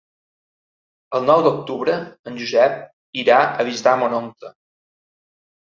El nou d'octubre en Josep irà a visitar mon oncle.